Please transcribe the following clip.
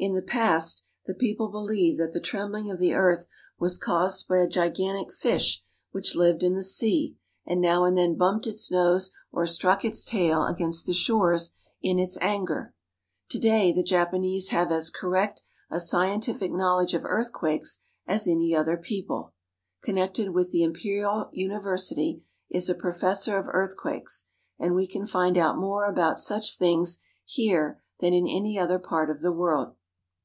In the past the people believed that the trembling of the earth was caused by a gigantic fish which lived in the sea and now and then bumped its nose or struck its tail against the shores in its anger. To day the Japanese have as correct a scientific knowledge of earthquakes as any other people. Connected with the Imperial University is a professor of earthquakes, and we can find out more about such things here than in any other part of the world.